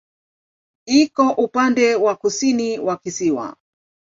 Iko upande wa kusini wa kisiwa.